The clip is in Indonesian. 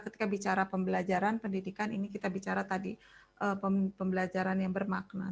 ketika bicara pembelajaran pendidikan ini kita bicara tadi pembelajaran yang bermakna